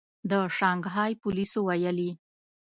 د شانګهای پولیسو ویلي